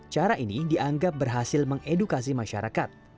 cara ini dianggap berhasil mengedukasi masyarakat